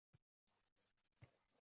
Otasiga rahmat!